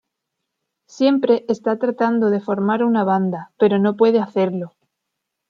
Siempre está tratando de formar una banda, pero no puede hacerlo.